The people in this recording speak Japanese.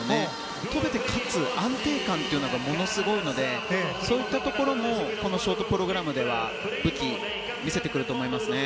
跳べてかつ安定感というのがものすごいのでそういったところもこのショートプログラムでは武器、見せてくると思います。